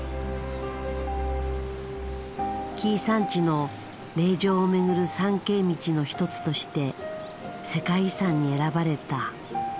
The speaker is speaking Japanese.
紀伊山地の霊場を巡る参詣道の一つとして世界遺産に選ばれた。